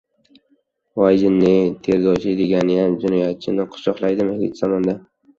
Voy jinni-ey! Tergovchi deganiyam jinoyatchini quchoqlaydimi hech zamonda!